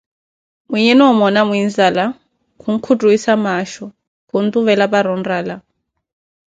Mwiiinhe noo omoona muinzala, khunkutwissa maasho, khuntuvela para onrala.